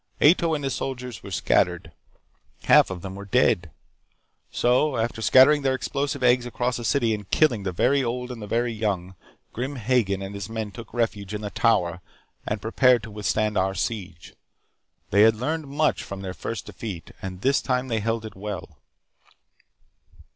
Ato and his soldiers were scattered. Half of them were dead. So, after scattering their explosive eggs across the city, and killing the very old and the very young, Grim Hagen and his men took refuge in the Tower and prepared to withstand our siege. They had learned much from their first defeat, and this time they held it well.